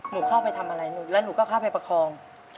หนูเข้าไปทำอะไรแล้วหนูก็เข้าไปประคอง